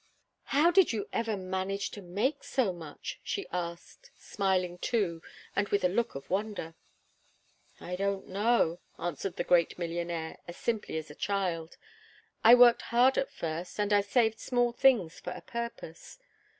"How did you ever manage to make so much?" she asked, smiling, too, and with a look of wonder. "I don't know," answered the great millionaire, as simply as a child. "I worked hard at first, and I saved small things for a purpose.